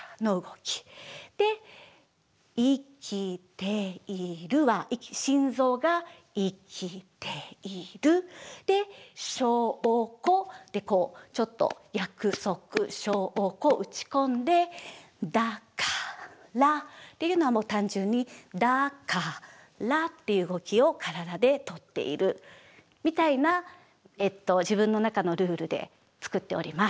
で「生きている」は心臓が「生きている」で「証拠」でこうちょっと約束証拠を打ち込んで「だから」っていうのは単純に「だから」っていう動きを体でとっているみたいな自分の中のルールで作っております。